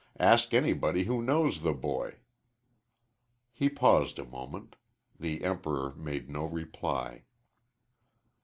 Ask anybody who knows the boy." He paused a moment. The Emperor made no reply.